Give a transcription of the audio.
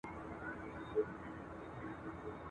د اورنګ شراب په ورکي ..